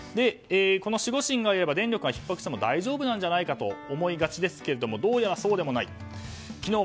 この守護神がいれば電力がひっ迫しても大丈夫じゃないかと思いがちですがどうやらそうでもないと。